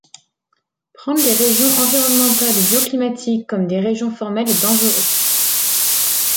Prendre les régions environnementales ou bioclimatiques comme des régions formelles est dangereux.